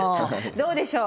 どうでしょう？